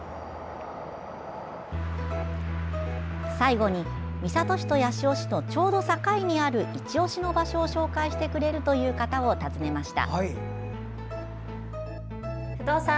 最後に、三郷市と八潮市のちょうど境にあるいちオシの場所を紹介してくれるという方を訪ねました。